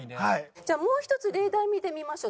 じゃあもう一つ例題見てみましょう。